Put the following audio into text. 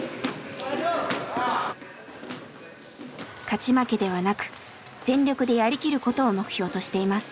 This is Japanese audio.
勝ち負けではなく全力でやりきることを目標としています。